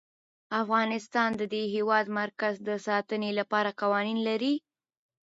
افغانستان د د هېواد مرکز د ساتنې لپاره قوانین لري.